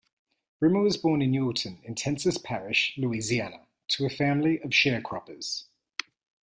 Brimmer was born in Newellton in Tensas Parish, Louisiana, to a family of sharecroppers.